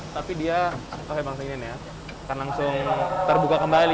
tapi dia akan langsung terbuka kembali